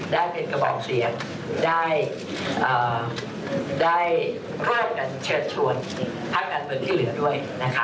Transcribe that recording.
ได้เป็นกระบอกเสียงได้ร่วมกันเชิญชวนพักการเมืองที่เหลือด้วยนะคะ